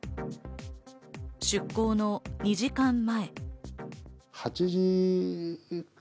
出向の２時間前。